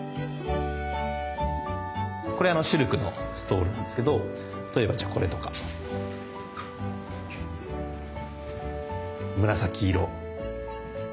これあのシルクのストールなんですけど例えばじゃあこれとか紫色ですね。